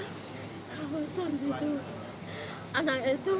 anak itu yang satu cewek yang gede kuliah namanya fani gitu kan